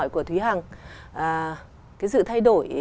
cái sự thay đổi